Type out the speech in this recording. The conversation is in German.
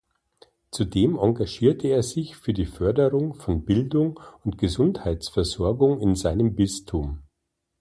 Zudem engagierte er sich für die Förderung von Bildung und Gesundheitsversorgung in seinem Bistum.